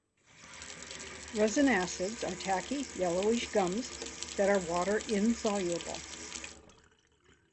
Resin acids are tacky, yellowish gums that are water-insoluble.